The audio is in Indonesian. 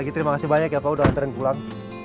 terima kasih banyak ya pak udah nantain pulang